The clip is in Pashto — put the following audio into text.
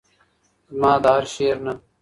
زما د هر شعر نه